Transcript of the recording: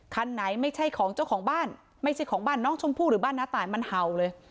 คันไหนไม่ใช่ของเจ้าของบ้านไม่ใช่ของบ้านน้องชมพู่หรือบ้านน้าตายมันเห่าเลย